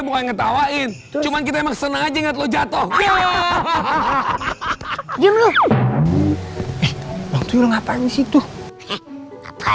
bukan ngetawain cuman kita emang senang aja ngeliat lo jatuh hahaha hahaha